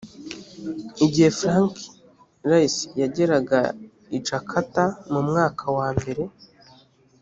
igihe frank rice yageraga i jakarta mu mwaka wa mbere